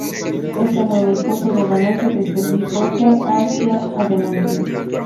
Esto mueve el punto de balance desde el bípode hacia adelante.